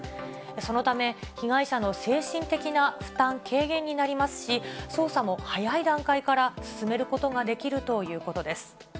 そのため、被害者の精神的な負担軽減になりますし、捜査も早い段階から進めることができるということです。